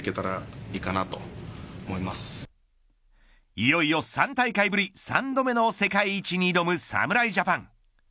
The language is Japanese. いよいよ３大会ぶり３度目の世界一に挑む侍ジャパン。